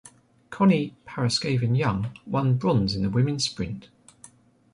Connie Paraskevin-Young won bronze in the women's sprint.